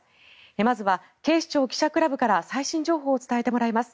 まずは警視庁記者クラブから最新情報を伝えてもらいます。